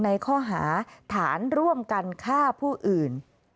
ในข้อหาฐานร่วมกันฆ่าผู้อื่น